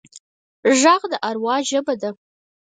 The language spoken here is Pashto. غږ د اروا ژبه ده